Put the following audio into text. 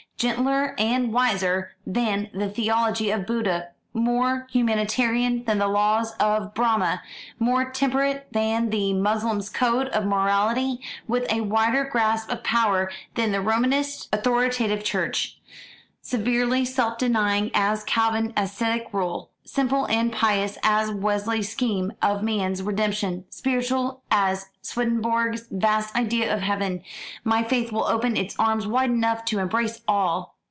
Gentler and wiser than the theology of Buddha; more humanitarian than the laws of Brahma; more temperate than the Moslem's code of morality; with a wider grasp of power than the Romanist's authoritative Church; severely self denying as Calvin's ascetic rule; simple and pious as Wesley's scheme of man's redemption; spiritual as Swedenborg's vast idea of heaven; my faith will open its arms wide enough to embrace all.